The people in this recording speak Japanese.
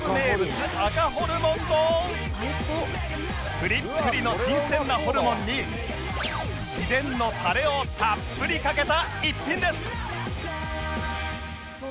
プリップリの新鮮なホルモンに秘伝のタレをたっぷりかけた一品です